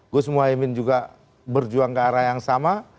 gus muhaymin juga berjuang ke arah yang sama